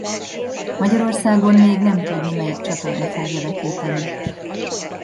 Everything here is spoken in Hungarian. Magyarországon még nem tudni melyik csatorna fogja vetíteni.